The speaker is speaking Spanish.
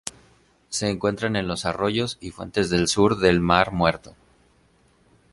Se encuentran en los arroyos y fuentes del sur del mar Muerto.